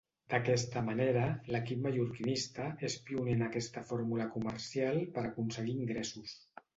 D'aquesta manera l'equip mallorquinista és pioner en aquesta fórmula comercial per aconseguir ingressos.